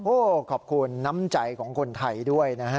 โอ้โหขอบคุณน้ำใจของคนไทยด้วยนะฮะ